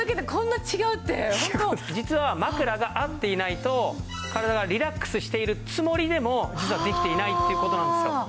実は枕が合っていないと体がリラックスしているつもりでも実はできていないっていう事なんですよ。